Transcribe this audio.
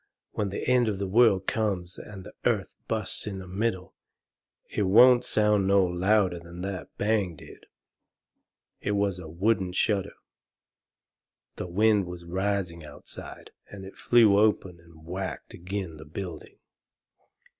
When the end of the world comes and the earth busts in the middle, it won't sound no louder than that bang did. It was a wooden shutter. The wind was rising outside, and it flew open and whacked agin' the building.